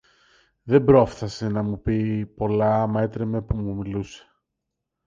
Δεν πρόφθασε να μου πει πολλά, μα έτρεμε που μου μιλούσε.